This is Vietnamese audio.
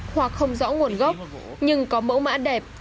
hoặc không rõ nguồn gốc nhưng có mẫu mã đẹp